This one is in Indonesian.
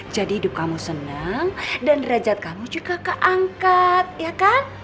jadi hidup kamu seneng dan derajat kamu juga keangkat iya kan